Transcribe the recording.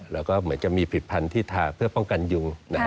แล้วก็เหมือนจะมีผลิตภัณฑ์ที่ทาเพื่อป้องกันยุง